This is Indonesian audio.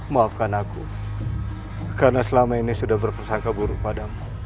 maafkan aku karena selama ini sudah berpersangka buruk padamu